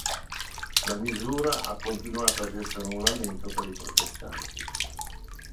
La misura ha continuato ad essere un lamento per i protestanti.